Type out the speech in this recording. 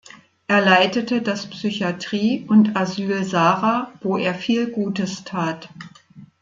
Er leitete das Psychiatrie und Asyl Sara, wo er viel Gutes tat.